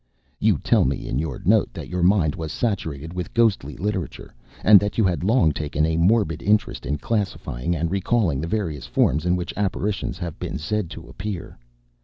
You tell me in your note that your mind was saturated with ghostly literature, and that you had long taken a morbid interest in classifying and recalling the various forms in which apparitions have been said to appear.